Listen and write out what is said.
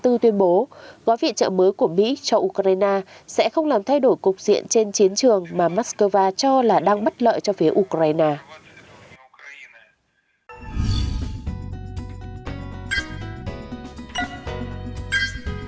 tuyên bố gói viện trợ mới của mỹ cho ukraine sẽ không làm thay đổi cục diện trên chiến trường mà moscow cho là đang bất lợi cho phía ukraine